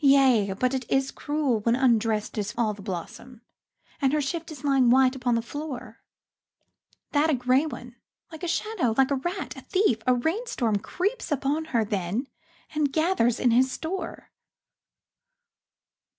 Yea, but it is cruel when undressed is all the blossom, And her shift is lying white upon the floor, That a grey one, like a shadow, like a rat, a thief, a rain storm Creeps upon her then and gathers in his store.